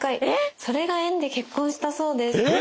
それが縁で結婚したそうです。え！